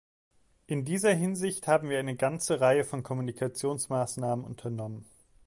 In dieser Hinsicht haben wir eine ganze Reihe von Kommunikationsmaßnahmen unternommen.